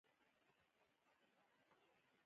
د قبیلې مشر اړیکې تنظیمولې.